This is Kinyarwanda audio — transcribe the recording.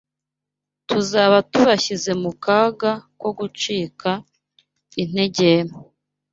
tuzaba tubashyize mu kaga ko gucika integera